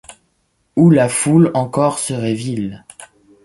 Où la foule encor serait vile